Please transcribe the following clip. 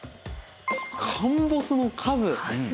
陥没の数。